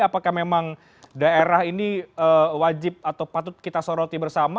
apakah memang daerah ini wajib atau patut kita soroti bersama